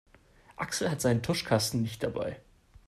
Axel hat seinen Tuschkasten nicht dabei.